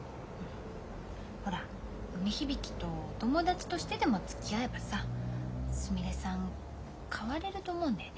ほら梅響と友達としてでもつきあえばさすみれさん変われると思うんだよね。